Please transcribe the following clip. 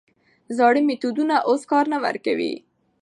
زاړه میتودونه اوس کار نه ورکوي.